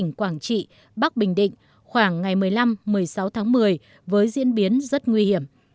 quảng trị bắc bình định khoảng ngày một mươi năm một mươi sáu tháng một mươi với diễn biến rất nguy hiểm